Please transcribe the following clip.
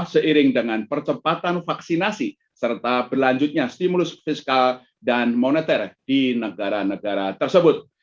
seiring dengan percepatan vaksinasi serta berlanjutnya stimulus fiskal dan moneter di negara negara tersebut